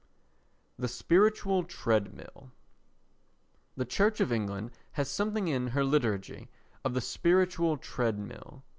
The Spiritual Treadmill The Church of England has something in her liturgy of the spiritual treadmill.